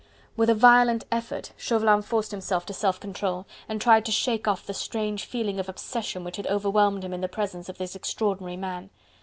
With a violent effort Chauvelin forced himself to self control, and tried to shake off the strange feeling of obsession which had overwhelmed him in the presence of this extraordinary man.